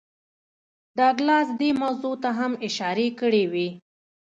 ډاګلاس دې موضوع ته هم اشارې کړې وې